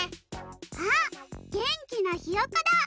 あっげんきなひよこだ。